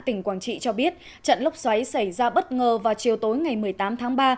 tỉnh quảng trị cho biết trận lốc xoáy xảy ra bất ngờ vào chiều tối ngày một mươi tám tháng ba